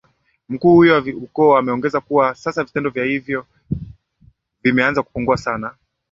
Mkuu huyo wa ukoo ameongeza kuwa kwa sasa vitendo hivyo vimeanza kupungua sana